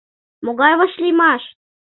Могай вашлиймаш?